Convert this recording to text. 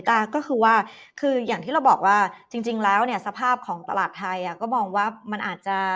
แต่ว่าจริงแล้วเนี่ยสภาพของตลาดไทยก็มองว่ามันอาจจะ